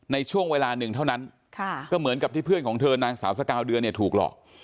ในช่วงเวลาหนึ่งเท่านั้นก็เหมือนกับที่เพื่อนของเธอนางสาวสกาวเดือนเนี่ยถูกหลอก